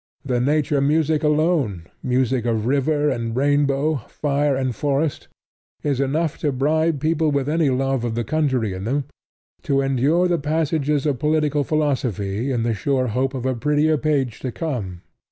The nature music alone music of river and rainbow, fire and forest is enough to bribe people with any love of the country in them to endure the passages of political philosophy in the sure hope of a prettier page to come.